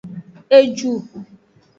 Eju.